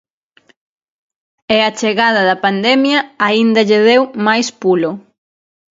E a chegada da pandemia aínda lle deu máis pulo.